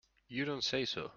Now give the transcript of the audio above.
You don't say so!